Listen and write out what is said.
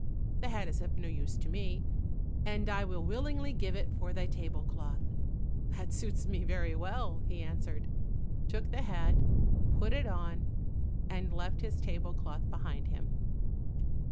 The hat is of no use to me, and I will willingly give it for thy table cloth." "That suits me very well," he answered, took the hat, put it on, and left his table cloth behind him.